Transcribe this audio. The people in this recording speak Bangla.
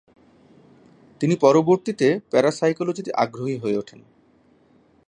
তিনি পরবর্তীতে প্যারাসাইকোলজিতে আগ্রহী হয়ে ওঠেন।